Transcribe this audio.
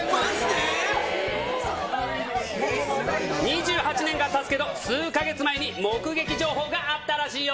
２８年間たつけど、数か月前に目撃情報があったらしいよ。